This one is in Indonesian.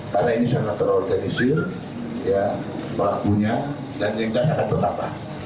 karena ini sangat terorganisir pelakunya dan yang lain lain akan tetap